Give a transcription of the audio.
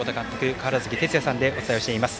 川原崎哲也さんでお伝えしています。